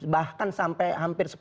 bahkan sampai hampir